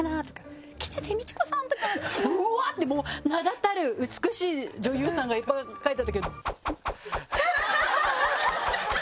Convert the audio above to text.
うわぁ！ってもう名だたる美しい女優さんがいっぱい書いてあったけど。